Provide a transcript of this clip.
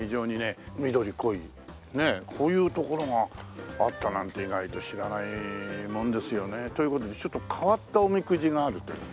こういう所があったなんて意外と知らないものですよね。という事でちょっと変わったおみくじがあるという。